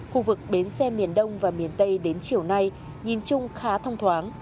khu vực bến xe miền đông và miền tây đến chiều nay nhìn chung khá thông thoáng